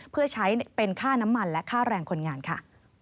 เพื่อใช้เป็นค่าน้ำมันและค่าแรงคนงานค่ะ